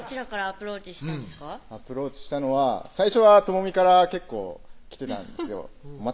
アプローチしたのは最初は朋美から結構きてたんです街